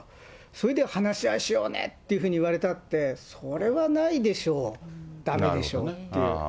それで話し合いしようねっていうふうに言われたって、それはないでしょう、だめでしょうって。